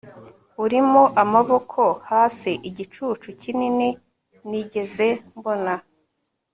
urimo, amaboko hasi, igicucu kinini nigeze mbona